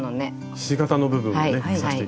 ひし形の部分をね刺していきましょう。